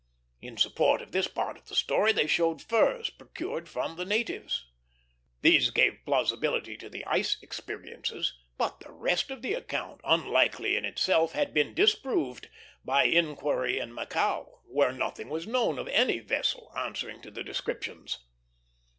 In support of this part of their story they showed furs procured from the natives. These gave plausibility to the ice experiences; but the rest of the account, unlikely in itself, had been disproved by inquiry in Macao, where nothing was known of any vessel answering to the descriptions.